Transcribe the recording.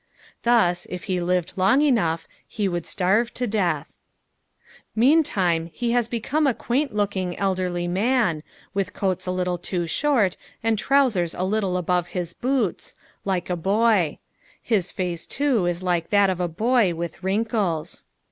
Thus, if he lived long enough, he would starve to death. Meantime he has become a quaint looking elderly man, with coats a little too short and trousers a little above his boots like a boy. His face too is like that of a boy, with wrinkles.